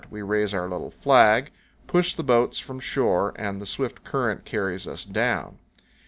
We raise our little flag, push the boats from shore, and the swift current carries us down.